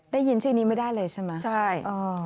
ได้ยินชื่อนี้ไม่ได้เลยใช่ไหมใช่